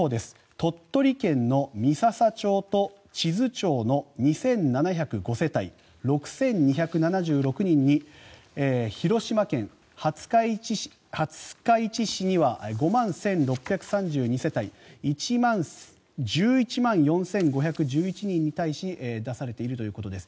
鳥取県の三朝町と智頭町の２７０５世帯６２７６人に広島県廿日市市には５万１６３２世帯１１万４５１１人に対し出されているということです。